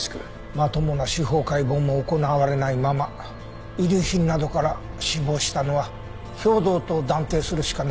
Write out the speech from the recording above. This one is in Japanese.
まともな司法解剖も行われないまま遺留品などから死亡したのは兵働と断定するしかなかったみたいだね。